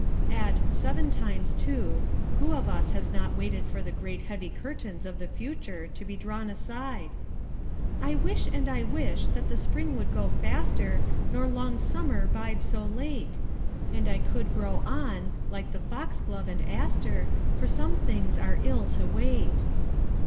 At "seven times two," who of us has not waited for the great heavy curtains of the future to be drawn aside? "I wish and I wish that the spring would go faster, Nor long summer bide so late; And I could grow on, like the fox glove and aster, For some things are ill to wait."